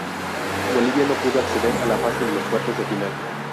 Bolivia no pudo acceder a la fase de los cuartos de final.